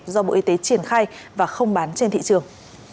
do bộ y tế triển khai và không bán trên thị trường